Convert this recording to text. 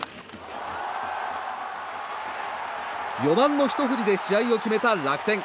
４番のひと振りで試合を決めた楽天。